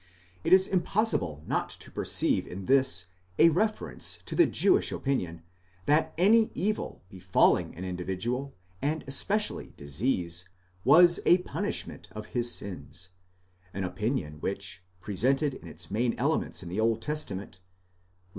It is impossible not to perceive in this a reference to the Jewish opinion, that any evil befalling an individual, and especially disease, was a punishment of his sins; an opinion which, presented in its main elements in the Old Testament (Lev.